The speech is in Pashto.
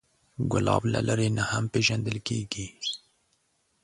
ګلاب له لرې نه هم پیژندل کېږي.